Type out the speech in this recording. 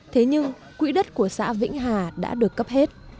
thế nhưng quỹ đất của xã vĩnh hà đã được cấp hết